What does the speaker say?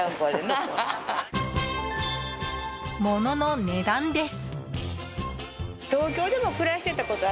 物の値段です。